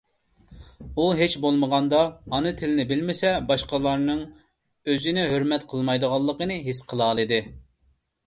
ئۇ ھېچ بولمىغاندا، ئانا تىلنى بىلمىسە باشقىلارنىڭ ئۆزىنى ھۆرمەت قىلمايدىغانلىقىنى ھېس قىلالىدى.